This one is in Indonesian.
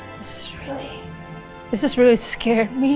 dan kita mesti gak tahu siapa korban itu